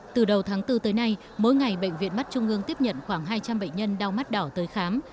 từ đầu tháng bốn tới nay mỗi ngày bệnh viện mắt trung ương tiếp nhận khoảng hai trăm linh bệnh nhân đau mắt đỏ tới khám